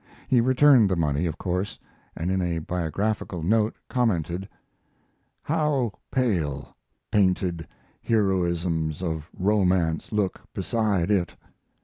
He returned the money, of course, and in a biographical note commented: How pale painted heroisms of romance look beside it!